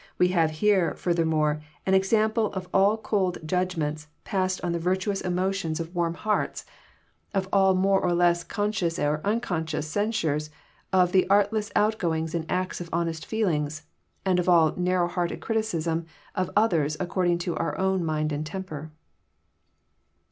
—We have here, Hirthermore, an ex ample of all cold Judgments passed on the virtuous emotions of 816 BXPOsrrORr thoughts. wann hearts, of all more or less conscious or nnconscioiis cen sures of the artless outgoings and acts of honest feelings, and of all narrow hearted criticism of others according to our own mind and temper.'